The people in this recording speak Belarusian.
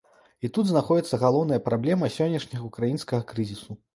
І тут знаходзіцца галоўная праблема сённяшняга ўкраінскага крызісу.